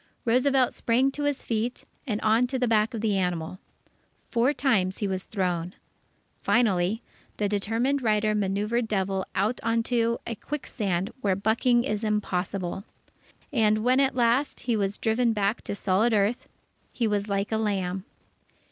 Roosevelt sprang to his feet and on to the back of the animal. Four times he was thrown. Finally, the determined rider manœuvred Devil out on to a quicksand where bucking is impossible. And, when at last, he was driven back to solid earth, he was like a lamb.